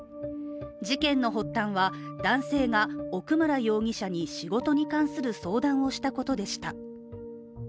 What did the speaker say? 事件の発端は、男性が奥村容疑者に仕事に関する相談をしたことでした。